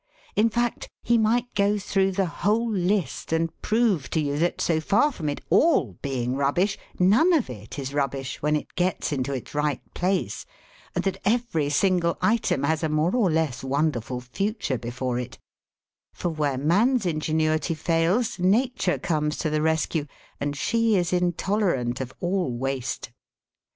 In fact, he might go through the whole list and prove to you that, so far from it all being rubbish, none of it is rubbish, when it gets into its right place, and that every single item has a more or less wonderful future before it ; for, where man's ingenuity fails, Nature comes to the rescue, and she is intolerant of all waste.